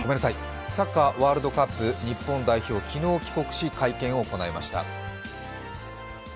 サッカーワールドカップ日本代表、昨日帰国し会見を行いました。